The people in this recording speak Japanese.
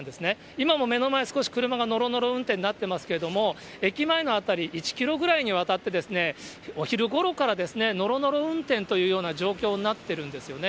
今も目の前、少し車がのろのろ運転になっていますけれども、駅前の辺り、１キロぐらいに渡って、お昼ごろから、のろのろ運転というような状況になってるんですよね。